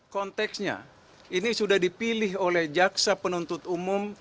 konteksnya ini sudah dipilih oleh jaksa penuntut umum